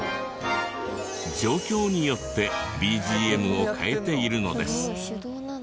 状況によってＢＧＭを変えているのです。